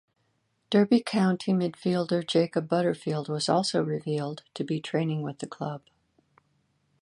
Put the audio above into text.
Derby County midfielder Jacob Butterfield was also revealed to be training with the club.